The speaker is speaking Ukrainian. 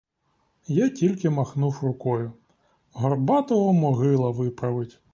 Я тільки махнув рукою: горбатого могила виправить!